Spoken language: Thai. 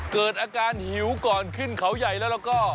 เกิดอาการหิวก่อนขึ้นเขาใหญ่แล้วแล้วก็